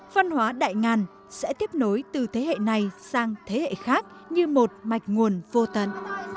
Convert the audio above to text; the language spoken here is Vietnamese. văn hóa đại ngàn sẽ tiếp nối từ thế hệ này sang thế hệ khác như một mạch nguồn vô tận